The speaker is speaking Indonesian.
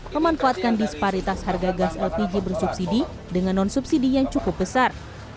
memanfaatkan disparitas harga gas lpg bersubsidi dengan non subsidi yang cukup besar